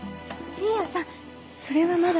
信也さんそれはまだ。